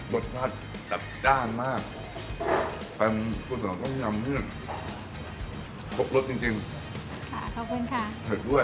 รสชาติจัดจ้านมากแฟนกุศลองต้องยำนี่ครบรสจริงขอบคุณค่ะเผ็ดด้วย